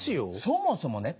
そもそもね